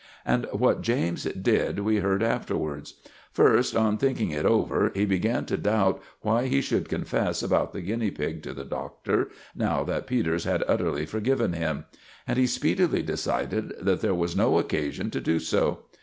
And what James did we heard afterwards. First, on thinking it over, he began to doubt why he should confess about the guinea pig to the Doctor, now that Peters had utterly forgiven him. And he speedily decided that there was no occasion to do so.